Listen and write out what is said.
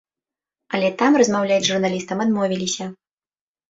Але там размаўляць з журналістам адмовіліся.